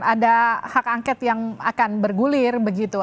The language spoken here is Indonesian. ada hak angket yang akan bergulir begitu